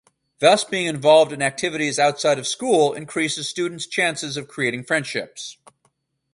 Thus, being involved in activities outside of school increases student's chances of creating friendships.